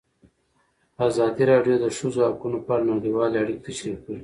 ازادي راډیو د د ښځو حقونه په اړه نړیوالې اړیکې تشریح کړي.